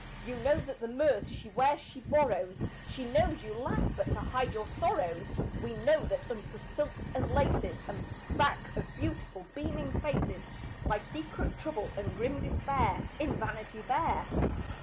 You know that the mirth she wears, she borrows; She knows you laugh but to hide your sorrows; We know that under the silks and laces, And back of beautiful, beaming faces, Lie secret trouble and grim despair, In Vanity Fair.